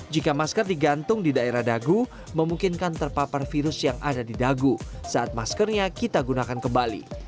jika masker digantung di daerah dagu memungkinkan terpapar virus yang ada di dagu saat maskernya kita gunakan kembali